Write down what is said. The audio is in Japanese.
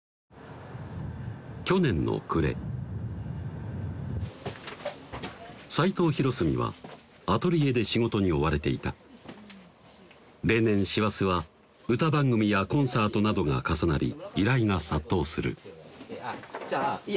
去年の暮れ齋藤ヒロスミはアトリエで仕事に追われていた例年師走は歌番組やコンサートなどが重なり依頼が殺到するじゃあいい